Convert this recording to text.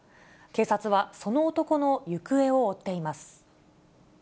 警察は、その男の行方を追っています。